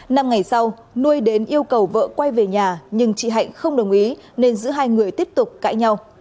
năm ngày sau nuôi đến yêu cầu vợ quay về nhà nhưng chị hạnh không đồng ý nên giữa hai người tiếp tục cãi nhau